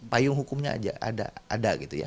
payung hukumnya aja ada gitu ya